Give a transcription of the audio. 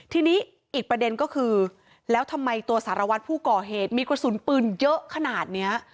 ทีนี้อีกประเด็นก็คือแล้วทำไมตัวสารวัตรผู้ก่อเหตุมีกระสุนปืนเยอะขนาดนี้